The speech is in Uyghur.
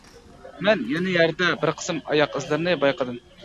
مەن يەنە يەردە بىر قىسىم ئاياق ئىزلىرىنى بايقىدىم.